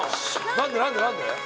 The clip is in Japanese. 何で何で何で？